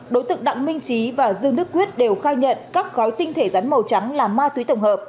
đối tượng đặng minh trí và dương đức quyết đều khai nhận các gói tinh thể rắn màu trắng là ma túy tổng hợp